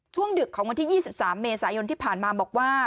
ดึกของวันที่๒๓เมษายนที่ผ่านมาบอกว่า